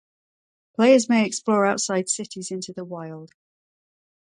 Players may explore outside cities into the wild.